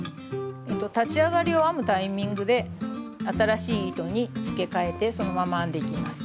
立ち上がりを編むタイミングで新しい糸に付け替えてそのまま編んでいきます。